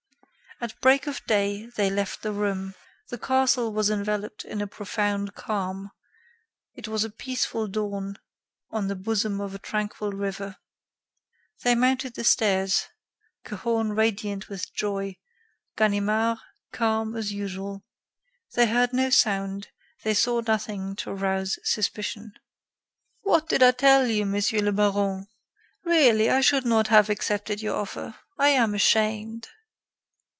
At break of day, they left the room. The castle was enveloped in a profound calm; it was a peaceful dawn on the bosom of a tranquil river. They mounted the stairs, Cahorn radiant with joy, Ganimard calm as usual. They heard no sound; they saw nothing to arouse suspicion. "What did I tell you, Monsieur le Baron? Really, I should not have accepted your offer. I am ashamed."